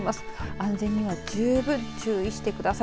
安全には十分注意してください。